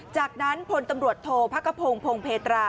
จากนั้นพลตำรวจโทษพระกระพงศ์พงเพตรา